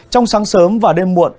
trong sáng sớm và đêm muộn